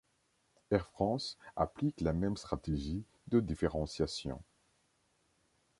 Air France applique la même stratégie de différenciation.